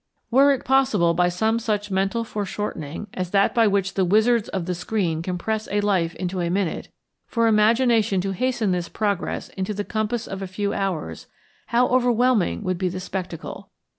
Were it possible, by some such mental foreshortening as that by which the wizards of the screen compress a life into a minute, for imagination to hasten this progress into the compass of a few hours, how overwhelming would be the spectacle!